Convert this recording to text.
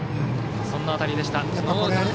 そんな当たりでした。